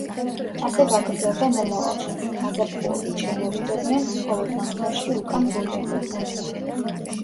ასე გაგრძელდა მომავალშიც: გაზაფხულობით შემოვიდოდნენ, ხოლო ზამთარში უკან ბრუნდებოდნენ.